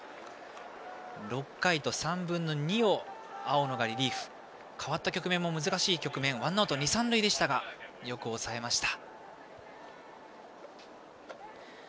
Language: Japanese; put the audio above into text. ６回と３分の２を青野がリリーフで代わった局面も難しい局面でワンアウト二、三塁でしたがよく抑えました。